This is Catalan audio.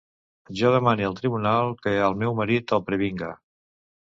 Jo demane al tribunal que al meu marit el previnga.